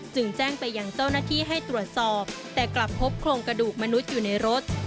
แจ้งไปยังเจ้าหน้าที่ให้ตรวจสอบแต่กลับพบโครงกระดูกมนุษย์อยู่ในรถ